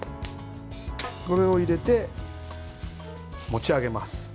これを入れて持ち上げます。